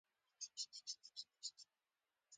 کولال د خټو لوښي جوړوي